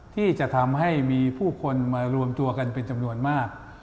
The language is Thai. ที่จะทำให้มีผู้คนมารวมตัวกันเป็นจำนวนมาก